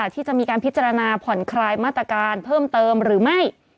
ที่จะมีการพิจารณาผ่อนคลายมาตรการเพิ่มเติมหรือไม่